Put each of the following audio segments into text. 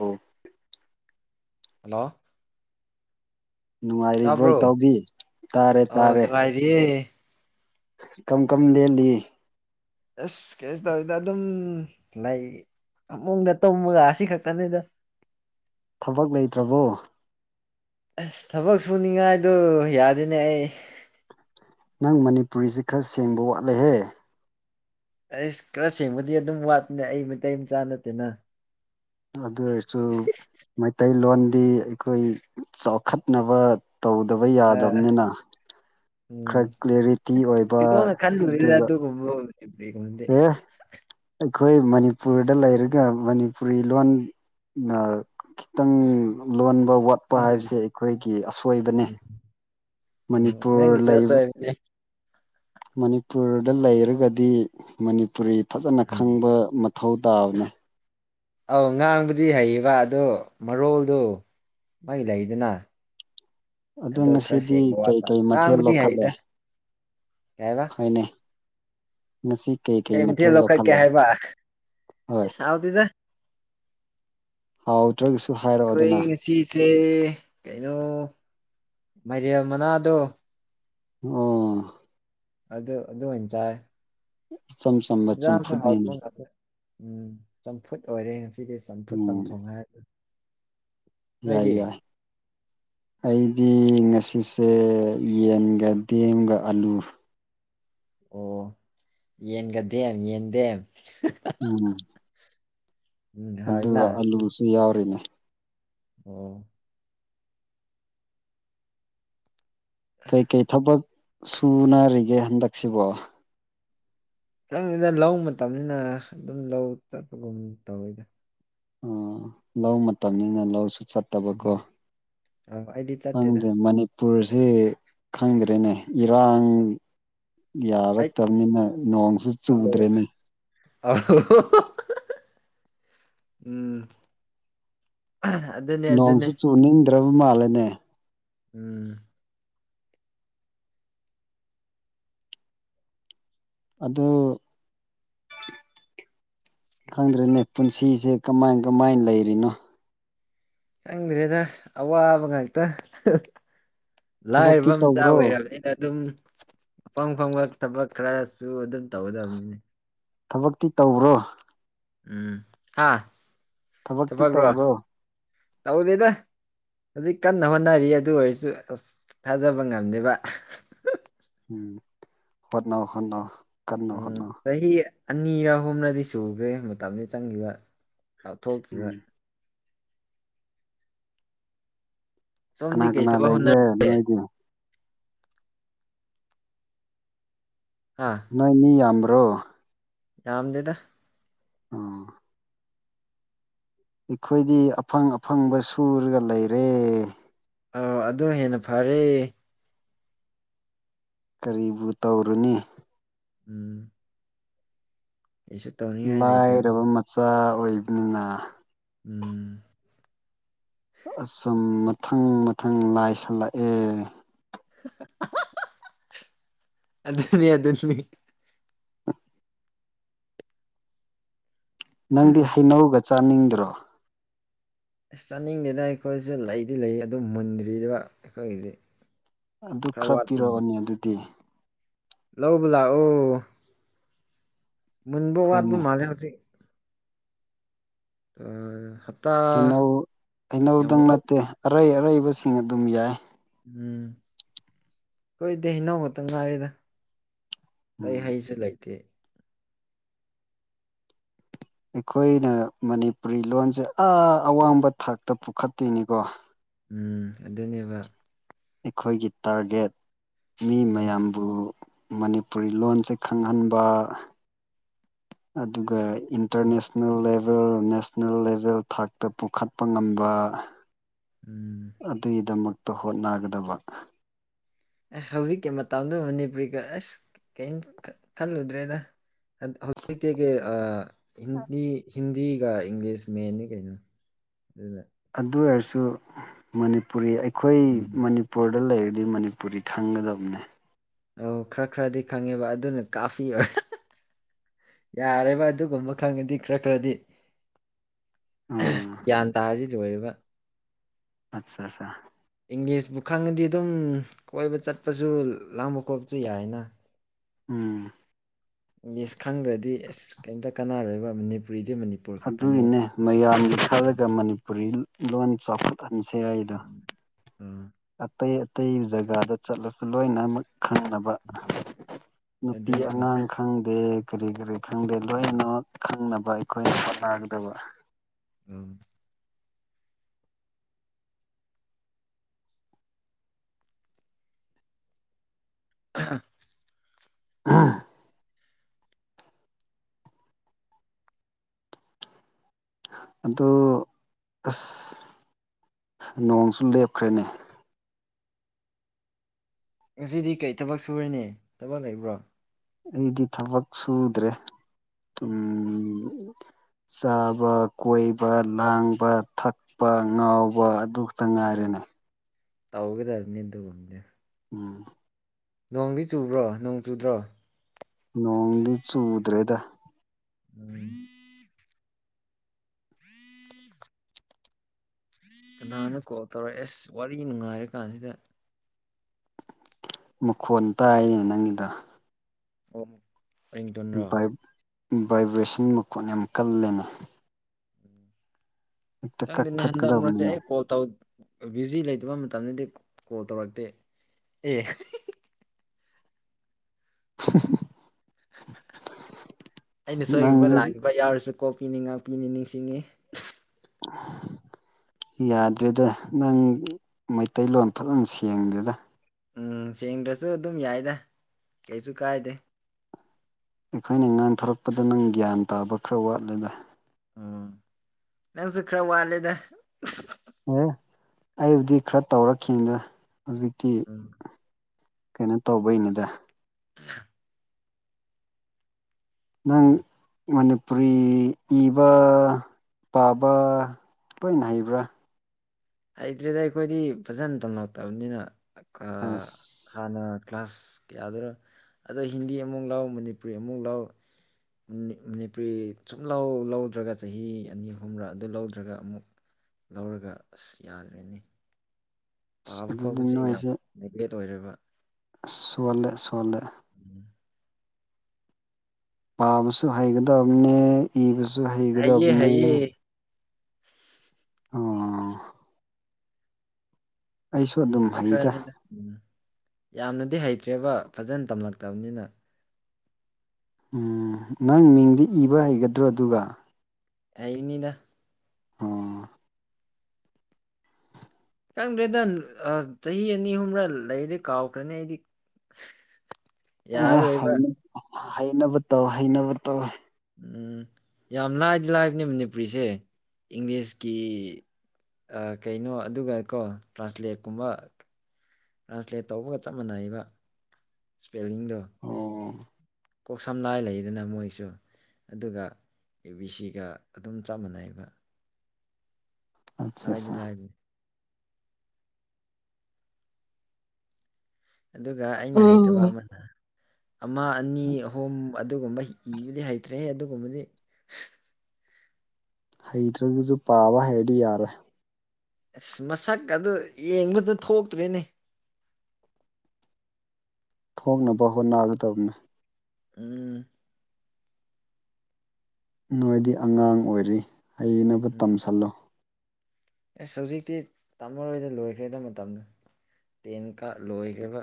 ꯑꯣ ꯍꯜꯂꯣ ꯅꯨꯡꯉꯥꯏꯔꯤꯕ꯭ꯔꯣꯏ ꯇꯥꯕ꯭ꯔꯣ ꯇꯧꯕꯕꯤ ꯇꯥꯔꯦ ꯇꯥꯔꯦ ꯑꯩꯦ ꯀꯝ ꯀꯝ ꯂꯦꯜꯂꯤ ꯑꯁ ꯀꯩꯁꯨ ꯇꯧꯋꯤꯗ ꯑꯗꯨꯝ ꯂꯩ ꯐꯃꯨꯡꯗ ꯇꯨꯝꯃꯒ ꯑꯁꯤ ꯈꯛꯇꯅꯤꯗ ꯊꯕꯛ ꯂꯩꯇ꯭ꯔꯕꯣ ꯑꯁ ꯊꯕꯛ ꯁꯨꯅꯤꯡꯉꯥꯏꯗꯣ ꯌꯥꯗꯦꯅꯦ ꯑꯩ ꯅꯪ ꯃꯅꯤꯄꯨꯔꯤꯁꯦ ꯈꯔ ꯁꯦꯡꯕ ꯋꯥꯠꯂꯦꯍꯦ ꯑꯩꯁ ꯈꯔ ꯁꯦꯡꯕꯗꯤ ꯑꯗꯨꯝ ꯋꯥꯠꯄꯅꯦ ꯑꯩ ꯃꯩꯇꯩ ꯃꯆꯥ ꯅꯠꯇꯦꯅ ꯑꯗꯨ ꯑꯣꯏꯔꯁꯨ ꯃꯩꯇꯩꯂꯣꯟꯗꯤ ꯑꯩꯈꯣꯏ ꯆꯥꯎꯈꯠꯅꯕ ꯇꯧꯗꯕ ꯑꯥ ꯌꯥꯗꯕꯅꯤꯅ ꯎꯝ ꯈꯔ ꯀ꯭ꯦꯔꯤꯇꯤ ꯑꯣꯏꯕ ꯑꯗꯨꯒ ꯑꯦꯕ ꯑꯦ ꯑꯩꯈꯣꯏ ꯃꯅꯤꯄꯨꯔꯗ ꯂꯩꯔꯒ ꯃꯅꯤꯄꯨꯔꯤ ꯂꯣꯟ ꯈꯤꯇꯪ ꯂꯣꯟꯕ ꯋꯥꯠ ꯀꯄ ꯎꯝ ꯍꯥꯏꯕꯁꯦ ꯑꯩꯈꯣꯏꯒꯤ ꯑꯁꯣꯏꯕꯅꯤ ꯎꯝ ꯎꯝ ꯃꯅꯤꯄꯨꯔ ꯅꯪꯒꯤꯁꯨ ꯂꯩꯕ ꯑꯁꯣꯏꯕꯅꯦ ꯃꯅꯤꯄꯨꯔꯗ ꯂꯩꯔꯒꯗꯤ ꯃꯅꯤꯄꯨꯔꯤ ꯐꯖꯅ ꯎꯝ ꯈꯪꯕ ꯃꯊꯧ ꯇꯥꯕꯅꯦ ꯑꯧ ꯉꯥꯡꯕꯗꯤ ꯍꯩꯌꯦꯕ ꯑꯗꯣ ꯃꯔꯣꯜꯗꯨ ꯃꯥꯏ ꯂꯩꯗꯅ ꯑꯗꯣ ꯈꯔ ꯉꯁꯤꯗꯤ ꯁꯦꯡꯕ ꯋꯥꯠꯄ ꯀꯩꯀꯩ ꯃꯊꯦꯜ ꯉꯥꯡꯕꯗꯤ ꯌꯥꯏꯗ ꯀꯩ ꯍꯥꯏꯕ ꯍꯣꯏꯅꯦ ꯉꯁꯤ ꯀꯩꯀꯩ ꯀꯩ ꯃꯊꯦꯜ ꯂꯧꯈꯠꯀꯦ ꯂꯧꯈꯠꯂꯦ ꯍꯥꯏꯕ ꯍꯣꯏ ꯅꯠꯇꯦꯗ ꯍꯥꯎꯇ꯭ꯔꯒꯁꯨ ꯑꯩꯈꯣꯏ ꯍꯥꯏꯔꯛꯑꯣꯗꯅ ꯉꯁꯤ ꯏꯆꯦ ꯀꯩꯅꯣ ꯃꯥꯏꯔꯦꯟ ꯃꯅꯥꯗꯣ ꯑꯣ ꯑꯗꯨ ꯑꯗꯨ ꯑꯣꯏꯅ ꯆꯥꯏ ꯏꯆꯝ ꯆꯝ [unintelligible] ꯎꯝ ꯆꯝꯐꯨꯠ ꯑꯣꯏꯔꯦ ꯉꯁꯤꯗꯤ ꯆꯝꯐꯨꯠ ꯎꯝ ꯆꯝꯊꯣꯡ ꯍꯥꯏꯔ ꯌꯥꯏ ꯌꯥꯏ ꯑꯩꯗꯤ ꯉꯁꯤꯁꯦ ꯌꯦꯟꯒ ꯗꯦꯝꯒ ꯑꯂꯨ ꯑꯣ ꯌꯦꯟꯒꯗꯦꯝ ꯌꯦꯟꯗꯦꯝ ꯎꯝ ꯎꯝ ꯍꯥꯎꯋꯤꯅ ꯑꯗꯨꯒ ꯑꯂꯨꯁꯤ ꯌꯥꯎꯔꯤꯅꯦ ꯑꯣ ꯀꯩ ꯀꯩ ꯊꯕꯛ ꯁꯨꯅꯔꯤꯒꯦ ꯍꯟꯗꯛꯁꯤꯕꯣ ꯈꯪꯗꯦꯗꯥ ꯂꯧ ꯃꯇꯝꯅꯤꯅ ꯑꯗꯨꯝ ꯂꯧ ꯆꯠꯄꯒꯨꯝ ꯇꯧꯋꯤꯗ ꯎꯝ ꯂꯧ ꯃꯇꯝꯅꯤꯅ ꯂꯧꯁꯨ ꯆꯠ ꯐꯠꯇꯕꯀꯣ ꯎꯝ ꯑꯧ ꯑꯩꯗꯤ ꯆꯠꯇꯦꯗ ꯈꯪꯗꯦ ꯃꯅꯤ ꯄꯨꯨꯔꯁꯤ ꯈꯪꯗ꯭ꯔꯦꯅꯦ ꯏꯔꯥꯡ ꯑꯩ ꯌꯥꯔꯛꯇꯝꯅꯤꯅ ꯅꯣꯡꯁꯨ ꯑꯧ ꯆꯨꯗ꯭ꯔꯦꯅꯤ [unintelligible] [unintelligible] ꯅꯣꯡꯁꯨ ꯆꯨꯅꯤꯡꯗ꯭ꯔꯕ ꯃꯥꯜꯂꯦꯅꯦ ꯎꯝ ꯑꯗꯨ ꯈꯪꯗ꯭ꯔꯦꯅꯦ ꯄꯨꯟꯁꯤꯁꯦ ꯀꯃꯥꯏ ꯀꯃꯥꯏ ꯂꯩꯔꯤꯅꯣ ꯈꯪꯗ꯭ꯔꯦꯗ ꯑꯋꯥꯕ ꯉꯥꯛꯇ ꯊꯕꯛꯇꯤ ꯂꯥꯏꯔꯕ ꯃꯆꯥ ꯇꯧꯕ꯭ꯔꯣ ꯑꯣꯏꯔꯕꯅꯤꯅ ꯑꯗꯨꯝ ꯑꯐꯪ ꯑꯐꯪꯕ ꯊꯕꯛ ꯈꯔꯁꯨ ꯑꯗꯨꯝ ꯇꯧꯒꯗꯕꯅꯤꯅꯦ ꯊꯕꯛꯇꯤ ꯇꯧꯕ꯭ꯔꯣ ꯎꯝ ꯍꯥ ꯊꯕꯛꯇꯤ ꯊꯕꯛꯂꯣ ꯇꯧꯕ꯭ꯔꯣ ꯇꯧꯗꯦꯗ ꯍꯧꯖꯤꯛ ꯀꯟꯅ ꯍꯣꯠꯅꯔꯤ ꯑꯗꯨ ꯑꯣꯏꯔꯁꯨ ꯑꯁ ꯊꯥꯖꯕ ꯉꯝꯗꯦꯕ ꯎꯝ ꯍꯣꯠꯅꯧ ꯍꯣꯠꯅꯧ ꯀꯟꯅ ꯎꯝ ꯍꯣꯠꯅꯧ ꯆꯍꯤ ꯑꯅꯤꯔ ꯑꯍꯨꯝꯂꯗꯤ ꯁꯨꯈ꯭ꯔꯦ ꯃꯇꯝꯖꯦ ꯆꯪꯈꯤꯕ ꯀꯊꯣꯛ [unintelligible] ꯎꯝ ꯁꯣꯝꯗꯤ ꯀꯅꯥ ꯀꯩ ꯀꯅꯥ ꯊꯕꯛ ꯍꯣꯠꯅ ꯂꯩꯒꯦ ꯅꯣꯏꯗꯤ ꯍꯥꯥ ꯅꯣꯏ ꯃꯤ ꯌꯥꯝꯕ꯭ꯔꯣ ꯌꯥꯝꯝꯗꯦꯗ ꯎꯝ ꯑꯩꯈꯣꯏꯗꯤ ꯑꯐꯪ ꯑꯐꯪꯕ ꯁꯨꯔꯒ ꯂꯩꯔꯦ ꯑꯣ ꯑꯗꯨ ꯍꯦꯟꯅ ꯐꯔꯦ ꯀꯔꯤꯕꯨ ꯇꯧꯔꯨꯅꯤ ꯎꯝ ꯑꯩꯁꯨ ꯂꯥꯏꯔꯕ ꯃꯆꯥ ꯑꯣꯏꯕꯅꯤꯅ ꯎꯝ ꯑꯁꯨꯝ ꯃꯊꯪ ꯃꯊꯪ ꯂꯥꯏꯁꯜꯂꯛꯑꯦ ꯑꯗꯨꯅꯤ ꯑꯗꯨꯅꯤ ꯅꯪꯗꯤ ꯍꯩꯅꯧꯒ ꯆꯥꯅꯤꯡꯗ꯭ꯔꯣ ꯑꯁ ꯆꯥꯅꯤꯡꯗꯦꯗ ꯑꯩꯈꯣꯏꯁꯨ ꯂꯩꯗꯤ ꯂꯩ ꯑꯗꯨ ꯃꯨꯟꯗ꯭ꯔꯤꯕ ꯑꯩꯈꯣꯏꯒꯤꯗꯤ ꯑꯗꯨ ꯈꯔ ꯋꯥꯠꯄ ꯃꯥꯜꯂꯦ ꯄꯤꯔꯛꯑꯣꯅꯦ ꯑꯗꯨꯗꯤ ꯂꯧꯕ ꯂꯥꯛꯑꯣ ꯃꯨꯟꯕ ꯋꯥꯠꯄ ꯍꯣꯏꯅꯦ ꯃꯥꯜꯂꯦ ꯍꯧꯖꯤꯛ ꯎꯟ ꯍꯩꯅꯧ ꯍꯩꯅꯧꯗꯪ ꯅꯠꯇꯦ ꯑꯔꯩ ꯑꯔꯩꯕꯁꯤꯡ ꯑꯗꯨꯝ ꯌꯥꯏ ꯎꯝ ꯍꯣꯏꯗꯦ ꯏꯅꯥꯎ ꯈꯛꯇꯪ ꯉꯥꯏꯔꯤꯗ ꯑꯩ ꯎꯝ ꯍꯩꯁꯦ ꯂꯩꯇꯦ ꯑꯩꯈꯣꯏꯅ ꯃꯅꯤꯄꯨꯔꯤ ꯂꯣꯟꯁꯦ ꯑ ꯑꯋꯥꯡꯕ ꯊꯥꯛꯇ ꯄꯨꯈꯠꯇꯣꯏꯅꯤꯀꯣ ꯎꯝ ꯑꯗꯨꯅꯦꯕ ꯑꯩꯈꯣꯏꯒꯤ ꯇꯥꯔꯒꯦꯠ ꯃꯤ ꯎꯝ ꯃꯌꯥꯝꯕꯨ ꯃꯅꯤꯄꯨꯔꯤ ꯂꯣꯟꯁꯦ ꯈꯪꯍꯟꯕ ꯑꯗꯨꯒ ꯎꯝ ꯏꯟꯇꯔꯅꯦꯁꯅꯦꯜ ꯂꯦꯚꯦꯜ ꯅꯦꯁ ꯅꯦꯁꯅꯦꯜ ꯂꯦꯚꯦꯜ ꯊꯥꯛꯇ ꯄꯨꯈꯠꯄ ꯉꯝꯕ ꯎꯝ ꯑꯗꯨꯒꯤꯗꯃꯛꯇ ꯍꯣꯠꯅꯒꯗꯕ ꯑꯦ ꯍꯧꯖꯤꯛꯀꯤ ꯃꯇꯝꯗ ꯃꯅꯤꯄꯨꯔꯤꯒ ꯑꯁ ꯀꯔꯤꯝ ꯈꯜꯂꯨꯗ꯭ꯔꯦꯗ ꯍꯧꯖꯤꯛꯛꯇ ꯑ ꯍꯤꯟꯗꯤ ꯍꯤꯟꯗꯤꯒ ꯏꯪꯂꯤꯁ ꯃꯦꯟꯅꯤ ꯀꯩꯅꯣ ꯑꯗꯨꯗ ꯑꯗꯨ ꯑꯣꯏꯔꯁꯨ ꯃꯅꯤꯄꯨꯔꯤ ꯑꯩꯈꯣꯏ ꯃꯅꯤ ꯎꯝ ꯃꯅꯤꯄꯨꯔꯗ ꯂꯩꯔꯗꯤ ꯃꯅꯤꯄꯨꯔꯤ ꯈꯪꯒꯗꯕꯅꯦ ꯑ ꯈꯔ ꯈꯔꯗꯤ ꯈꯪꯉꯦꯕ ꯑꯗꯨꯅ ꯀꯥꯐꯤ ꯑꯣꯏꯔ ꯌꯥꯔꯦꯕ ꯑꯗꯨꯒꯨꯝꯕ ꯈꯪꯉꯗꯤ ꯈꯔ ꯈꯔꯗꯤ ꯎꯝ ꯒ꯭ꯌꯥꯟ ꯇꯥꯔꯁꯤꯗꯤꯣꯏꯔꯤꯕ ꯑꯠꯆꯥ ꯑꯆꯥ ꯏꯪꯂꯤꯁꯄꯨ ꯈꯪꯉꯗꯤ ꯑꯗꯨꯝ ꯀꯣꯏꯕ ꯆꯠꯄꯁꯨ ꯂꯥꯡꯕ ꯈꯣꯠꯄꯁꯨ ꯌꯥꯏꯅ ꯎꯝ ꯏꯪꯂꯤꯁ ꯈꯪꯗ꯭ꯔꯗꯤ ꯑꯦꯁ ꯀꯦꯝꯇ ꯀꯥꯟꯅꯔꯣꯏꯕ ꯃꯅꯤꯄꯨꯔꯤꯗꯤ ꯃꯅꯤ ꯑꯗꯨꯒꯤꯅꯦ ꯃꯌꯥꯝꯒꯤ ꯈꯜꯂꯒ ꯃꯅꯤꯄꯨꯔꯤ ꯂꯣꯟ ꯆꯥꯎꯈꯠꯍꯟꯁꯦ ꯍꯥꯏꯗꯣ ꯑꯝ ꯑꯇꯩ ꯑꯇꯩ ꯖꯒꯥꯗ ꯆꯠꯂꯁꯨ ꯂꯣꯏꯅꯃꯛ ꯈꯪꯅꯕ ꯅꯨꯄꯤ ꯑꯗꯨꯅꯦꯕ ꯑꯉꯥꯡ ꯈꯪꯗꯦ ꯀꯔꯤ ꯀꯔꯤ ꯈꯪꯗꯦ ꯂꯣꯏꯅꯃꯛ ꯈꯪꯅꯕ ꯑꯩꯈꯣꯏꯅ ꯍꯣꯠꯅꯒꯗꯕ ꯎꯝ ꯑꯍꯝ ꯑ ꯑ ꯑꯁ ꯅꯣꯡꯁꯨ ꯂꯦꯞꯈ꯭ꯔꯦꯅꯦ ꯉꯁꯤꯗꯤ ꯀꯩ ꯊꯕꯛ ꯁꯨꯔꯅꯤ ꯊꯕꯛ ꯂꯩꯕ꯭ꯔꯣ ꯑꯩꯗꯤ ꯊꯕꯛ ꯁꯨꯗ꯭ꯔꯦ ꯎꯝ ꯆꯥꯕ ꯀꯣꯏꯕ ꯂꯥꯡꯕ ꯊꯛꯄ ꯉꯥꯎꯕ ꯑꯗꯨ ꯈꯛꯇ ꯝ ꯉꯥꯏꯔꯦꯅꯦ ꯇꯧꯒ ꯇꯔꯅꯤ ꯏꯗ ꯄꯨꯣꯜꯅꯤ ꯎꯝ ꯅꯣꯡꯗꯤ ꯆꯨꯕ꯭ꯔꯣ ꯅꯣꯡ ꯆꯨꯗ꯭ꯔꯣ ꯅꯣꯡꯗꯤ ꯆꯨꯗ꯭ꯔꯦꯗ ꯎꯝ ꯀꯅꯥꯅ ꯀꯣꯜ ꯇꯧꯔꯦ ꯑꯁ ꯋꯥꯔꯤ ꯅꯨꯡꯉꯥꯏꯔ ꯀꯥꯟꯁꯤꯗ ꯃꯈꯣꯟ ꯇꯥꯏꯌꯦ ꯅꯪꯒꯤꯗꯣ ꯑꯃꯨ ꯚꯥꯏꯕ꯭ꯔꯦꯁꯟ ꯃꯈꯨꯠ ꯌꯥꯝ ꯀꯜꯂꯦꯅꯦ ꯍꯦꯛꯇ ꯀꯪ ꯊꯅꯤ ꯍꯟꯗ ꯃꯁꯦ ꯀꯛꯊꯠꯀꯗꯕꯅꯤꯅ ꯀꯣ ꯇꯧ ꯕꯤꯖꯤ ꯂꯩꯇꯕ ꯃꯇꯝꯗꯗꯤ ꯀꯣꯜ ꯇꯧꯔꯛꯇꯦ ꯑꯦ ꯎ ꯑꯩꯅ ꯁꯣꯏꯈꯤꯕ ꯅꯪꯁꯦ ꯂꯥꯟꯈꯤꯕ ꯌꯥꯎꯔꯁꯨ ꯀꯣꯛ ꯄꯤꯅꯤ ꯉꯥꯛꯄꯤꯅꯤ ꯅꯤꯡꯁꯤꯡꯉꯤ [inaudible] ꯌꯥꯗ꯭ꯔꯦꯗ ꯅꯪ ꯃꯩꯇꯩꯂꯣꯟ ꯐꯖꯅ ꯁꯦꯡꯗꯦꯗ ꯎꯝ ꯁꯦꯡꯗ꯭ꯔꯁꯨ ꯑꯗꯨꯝ ꯌꯥꯏꯗ ꯀꯩꯁꯨ ꯀꯥꯏꯗꯦ ꯑꯩꯈꯣꯏꯅ ꯉꯥꯡ ꯊꯣꯔꯛꯄꯗ ꯅꯪ ꯒ꯭ꯌꯥꯟ ꯇꯥꯕ ꯈꯔ ꯋꯥꯠꯂꯦꯗ ꯎꯝ ꯅꯪꯁꯨ ꯈꯔ ꯋꯥꯠꯂꯦꯗ ꯑꯦ ꯑꯩꯕꯨꯗꯤ ꯈꯔ ꯇꯧꯔꯛꯈꯤꯗ ꯍꯧꯖꯤꯛꯇꯤ ꯎꯝ ꯀꯩꯅꯣ ꯇꯧꯕꯩꯅꯤꯗ ꯏ ꯅꯪ ꯎꯝ ꯃꯅꯤꯄꯨꯔꯤ ꯏꯕ ꯄꯥꯕ ꯂꯣꯏꯅ ꯍꯩꯕ꯭ꯔꯥ ꯍꯩꯇ꯭ꯔꯦꯗ ꯑꯩꯈꯣꯏꯗꯤ ꯐꯖꯅ ꯇꯝꯂꯛꯇꯕꯅꯤꯅ ꯑꯥꯥ ꯑꯁ ꯍꯥꯟꯅ ꯀ꯭ꯂꯥꯁ ꯀꯌꯥꯗꯨꯔꯣ ꯑꯗꯣ ꯍꯤꯟꯗꯤ ꯑꯃꯨꯛ ꯂꯥꯎ ꯃꯅꯤꯄꯨꯔꯤ ꯑꯃꯨꯛ ꯂꯥꯛꯑꯣ ꯃꯅꯤꯄꯨꯔꯤ ꯁꯨꯝ ꯂꯧ ꯂꯧꯗ꯭ꯔꯒ ꯆꯍꯤ ꯑꯅꯤ ꯑꯍꯨꯝꯔꯥ ꯑꯗꯨ ꯂꯧꯗ꯭ꯔꯒ ꯑꯃꯨꯛ ꯂꯧꯔꯒ ꯑꯁ ꯌꯥꯗ꯭ꯔꯅꯤ ꯑꯁ ꯄꯥꯕ ꯑꯗꯨꯗꯤ ꯈꯣꯠꯄꯁꯦ ꯌꯥꯝ ꯅꯣꯏꯁꯦ ꯅꯦꯒ꯭ꯂꯦꯠ ꯑꯣꯏꯔꯦꯕ ꯑꯁ ꯁꯣꯜꯂꯦ ꯁꯣꯜꯂꯦ ꯎꯝ ꯄꯥꯕꯁꯨ ꯍꯩꯒꯗꯕꯅꯦ ꯏꯕꯁꯨ ꯍꯩꯌꯦ ꯍꯩꯒꯗꯕꯅꯦ ꯍꯩꯌꯦ ꯑꯣ ꯑꯩꯁꯨ ꯑꯗꯨꯝ ꯈꯔ ꯍꯩꯗ ꯈꯔꯅꯤꯅ ꯎ ꯌꯥꯝꯅꯗꯤ ꯍꯩꯇ꯭ꯔꯦꯕ ꯐꯖꯅ ꯇꯝꯂꯛꯇꯕꯅꯤꯅ ꯎꯝ ꯅꯪ ꯃꯤꯡꯗꯤ ꯏꯕ ꯍꯩꯒꯗ꯭ꯔꯣ ꯑꯗꯨꯒ ꯑꯦꯅꯤꯗ ꯑꯝ ꯈꯥꯪꯗ꯭ꯔꯦꯗ ꯑꯥ ꯆꯍꯤ ꯑꯅꯤ ꯑꯍꯨꯝꯔ ꯂꯩꯔ ꯀꯥꯎꯈ꯭ꯔꯅꯤ ꯑꯩꯗꯤ ꯑꯅ ꯌꯥꯔꯔꯣꯏꯕ ꯍꯩꯅꯕ ꯇꯧ ꯍꯩꯅꯕ ꯇꯧ ꯎꯝ ꯌꯥꯝ ꯂꯥꯏꯗꯤ ꯂꯥꯏꯕꯅꯦ ꯃꯅꯤꯄꯨꯔꯤꯁꯦ ꯏꯪꯂꯤꯁꯀꯤ ꯑ ꯀꯩꯅꯣ ꯑꯗꯨꯒ ꯀꯣ ꯇ꯭ꯔꯥꯟꯁꯂꯦꯠꯀꯨꯝꯕ ꯇ꯭ꯔꯥꯟꯁꯂꯦꯠ ꯇꯧꯕꯒ ꯆꯞ ꯃꯥꯟꯅꯩꯕ ꯁ꯭ꯄꯦꯂꯤꯡꯗꯣ ꯑꯣ ꯀꯣꯛ ꯁꯝ ꯂꯥꯏ ꯂꯩꯗꯅ ꯃꯣꯏꯁꯨ ꯑꯗꯨꯒ ꯑꯦ ꯕꯤ ꯁꯤꯒ ꯑꯗꯨꯝ ꯆꯞ ꯃꯥꯟꯅꯩꯕ ꯑꯠꯆꯥ ꯑꯠꯆꯥ ꯍꯥꯏꯗꯅ ꯍꯥꯏꯗꯦ ꯑꯗꯨꯒ ꯑꯩꯅ ꯍꯩꯇꯕ ꯑꯃꯅ ꯑꯃ ꯑꯅꯤ ꯑꯍꯨꯝ ꯑꯗꯨꯒꯨꯝꯕ ꯏꯕꯗꯤ ꯍꯩꯇ꯭ꯔꯦꯍꯦ ꯑꯗꯨꯒꯨꯝꯕꯗꯤ ꯍꯩꯇ꯭ꯔꯒꯁꯨ ꯄꯥꯕ ꯍꯩꯔꯗꯤ ꯌꯥꯔꯦ ꯑꯁ ꯃꯁꯛ ꯑꯗꯨ ꯌꯦꯡꯕꯗ ꯊꯣꯛꯇ꯭ꯔꯤꯅꯦ ꯊꯣꯛꯅꯕ ꯍꯣꯠꯅꯒꯗꯕꯅꯦ ꯎꯝ ꯅꯣꯏꯗꯤ ꯑꯉꯥꯡ ꯑꯣꯏꯔꯤ ꯍꯩꯅꯕ ꯇꯝꯁꯜꯂꯣ ꯑꯦꯁ ꯍꯧꯖꯤꯛꯇꯤ ꯇꯥꯃꯔꯣꯏꯗ ꯂꯣꯏꯈ꯭ꯔꯦꯗꯕ ꯃꯇꯝꯗ ꯇꯦꯟꯀ ꯂꯣꯏꯈ꯭ꯔꯦꯕ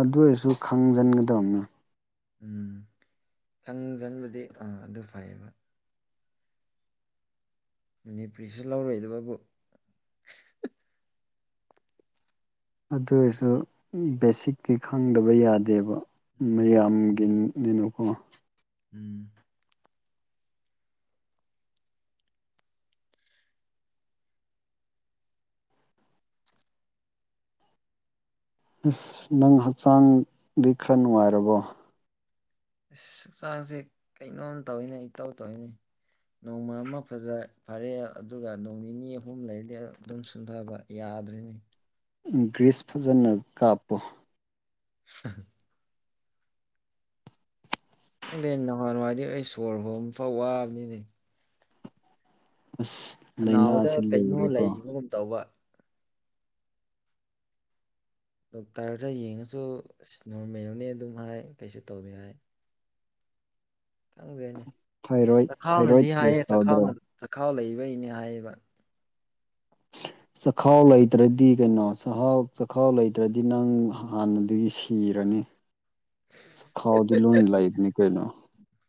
ꯑꯗꯨ ꯑꯣꯏꯔꯁꯨ ꯈꯪꯖꯟꯒꯗꯕꯅꯦ ꯎꯝ ꯁꯪꯁꯟꯕꯗꯤ ꯑꯥ ꯑꯗꯨ ꯐꯩꯌꯦꯕ ꯃꯅꯤꯄꯨꯔꯤꯁꯤ ꯂꯧꯔꯣꯏꯗꯕꯕꯨ ꯑꯗꯨ ꯑꯣꯏꯔꯁꯨ ꯑꯝ ꯕꯦꯁꯤꯛꯇꯤ ꯈꯪꯗꯕ ꯌꯥꯗꯦꯕ ꯎꯝ ꯃꯌꯥꯝꯒꯤ ꯗꯨꯅꯀꯣ ꯎꯝ ꯏꯁꯅꯪ ꯍꯛꯆꯥꯡꯗꯤ ꯈꯔ ꯅꯨꯡꯉꯥꯏꯔꯕꯣ ꯏꯁ ꯍꯛꯆꯥꯡꯁꯦ ꯀꯩꯅꯣꯝ ꯇꯧꯋꯤꯅꯦ ꯏꯇꯧ ꯇꯧꯋꯤꯅꯦ ꯅꯣꯡꯃ ꯑꯃ ꯐꯖ ꯐꯔꯦ ꯑꯗꯨꯒ ꯅꯣꯡ ꯅꯤꯅꯤ ꯑꯍꯨꯝ ꯂꯩꯔꯗꯤ ꯑꯗꯨꯝ ꯁꯨꯝꯊꯕ ꯌꯥꯗ꯭ꯔꯦꯅꯦ ꯒ꯭ꯔꯤꯁ ꯐꯖꯅ ꯀꯥꯞꯄꯣ [unintelligible] ꯈꯪꯗꯦ ꯅꯥꯋꯍꯥꯟꯋꯥꯏꯗꯤ ꯑꯩ ꯁꯣꯔ ꯍꯣꯟꯕꯐꯥꯎ ꯋꯥꯕꯅꯤꯅꯦ ꯑꯁ ꯂꯥꯏꯅꯥ ꯁꯦ ꯂꯨꯔꯤꯀꯣ ꯑꯗꯨꯨꯝ ꯇꯧꯕ ꯗꯣꯛꯇꯔꯗ ꯌꯦꯡꯉꯁꯨ ꯑꯁ ꯅꯣꯔꯃꯦꯜꯅꯤ ꯑꯗꯨꯝ ꯍꯥꯏ ꯀꯩꯁꯨ ꯇꯧꯗꯦ ꯍꯥꯏ ꯈꯪꯗꯦꯅꯦ ꯊꯥꯏꯔꯣꯏꯗ ꯆꯈꯥꯎꯅꯗꯤ ꯊꯥꯏꯔꯣꯏꯗ ꯍꯥꯏꯌꯦ ꯇꯦꯁ ꯇꯧꯗ꯭ꯔꯣ ꯆꯈꯥꯎꯅ ꯆꯈꯥꯎ ꯂꯩꯕꯩꯅꯦ ꯍꯥꯏꯌꯦꯕ ꯆꯈꯥꯎ ꯂꯩꯇ꯭ꯔꯗꯤ ꯀꯩꯅꯣ ꯆꯛꯍꯥꯎ ꯆꯈꯥꯎ ꯂꯩꯇ꯭ꯔꯗꯤ ꯅꯪ ꯍꯥꯟꯅꯗꯒꯤ ꯁꯤꯔꯅꯤ ꯆꯈꯥꯎꯗꯤ ꯂꫭꯏ ꯂꯩꯕꯅꯤ ꯀꯩꯅꯏ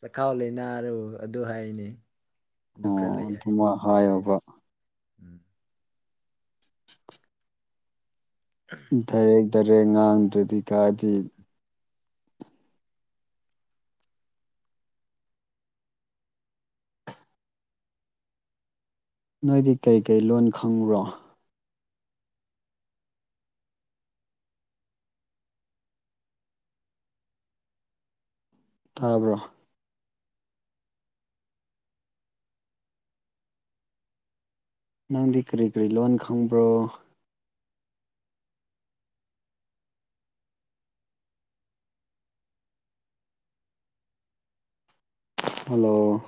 ꯆꯈꯥꯎ ꯂꯩꯅꯥꯔꯨ ꯑꯗꯨ ꯍꯥꯏꯔꯤꯅꯤ ꯑꯗꯨ ꯑꯣ ꯈꯔ ꯂꯩ ꯍꯥꯏꯅꯤ ꯑꯗꯨꯃ ꯃꯣꯏꯅ ꯍꯥꯏꯌꯣꯕ ꯍꯥꯏꯅꯤ ꯗꯥꯏꯔꯦꯛ ꯗꯥꯏꯔꯦꯛ ꯉꯥꯡꯗ꯭ꯔꯗꯤ ꯀꯥꯏꯗꯩ ꯅꯣꯏꯗꯤ ꯀꯩꯀꯩ ꯂꯣꯟ ꯈꯪꯕ꯭ꯔꯣ ꯇꯥꯕ꯭ꯔꯣ ꯅꯪꯗꯤ ꯀꯔꯤ ꯀꯔꯤ ꯂꯣꯟ ꯈꯪꯕ꯭ꯔꯣ ꯍꯜꯂꯣ